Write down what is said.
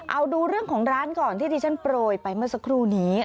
เอาดูเรื่องของร้านก่อนที่ที่ฉันโปรยไปเมื่อสักครู่นี้